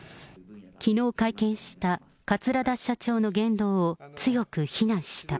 きのう会見した桂田社長の言動を強く非難した。